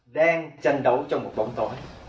đang tranh đấu trong một bóng tối